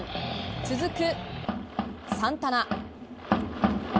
続くサンタナ。